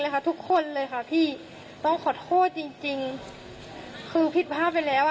ทุกคนเลยค่ะพี่ต้องขอโทษจริงจริงคือผิดภาพไปแล้วอ่ะ